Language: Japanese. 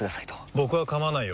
僕は構わないよ。